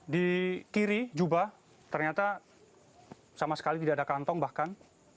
di kiri jubah ternyata sama sekali tidak ada kantong bahkan